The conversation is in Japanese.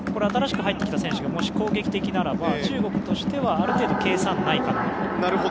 新しく入ってきた選手がもし攻撃的なら中国としては、ある程度計算内かなと。